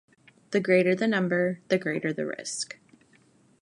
The greater the number, the greater the risk.